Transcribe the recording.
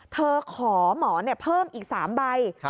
ขอหมอเพิ่มอีก๓ใบ